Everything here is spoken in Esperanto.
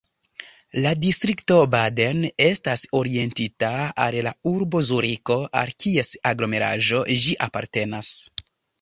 La distrikto Baden estas orientita al la urbo Zuriko al kies aglomeraĵo ĝi apartenas.